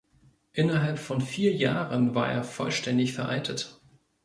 Innerhalb von vier Jahren war er vollständig veraltet.